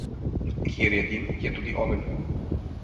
Kjer je dim, je tudi ogenj.